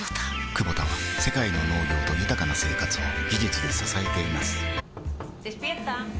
クボタは世界の農業と豊かな生活を技術で支えています起きて。